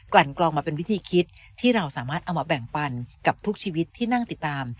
ลั่นกลองมาเป็นวิธีคิดที่เราสามารถเอามาแบ่งปันกับทุกชีวิตที่นั่งติดตาม